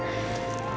cuma orang yang menang